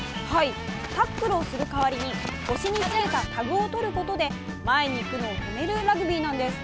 タックルする代わりに腰につけたタグを取ることで前に行くのを止めるラグビーなんです。